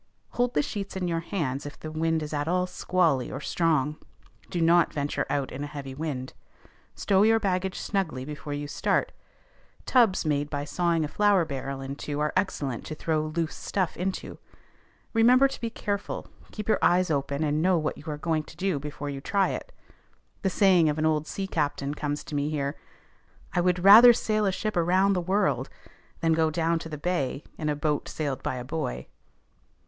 _ Hold the sheets in your hands if the wind is at all squally or strong. Do not venture out in a heavy wind. Stow your baggage snugly before you start: tubs made by sawing a flour barrel in two are excellent to throw loose stuff into. Remember to be careful; keep your eyes open, and know what you are going to do before you try it. The saying of an old sea captain comes to me here: "I would rather sail a ship around the world, than to go down the bay in a boat sailed by a boy."